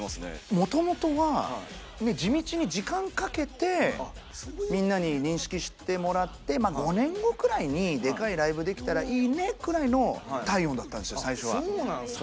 もともとはねっ地道に時間かけてみんなに認識してもらって５年後くらいにでかいライブできたらいいねくらいの体温だったんですよ